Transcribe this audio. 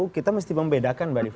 kita mesti membedakan mbak rifa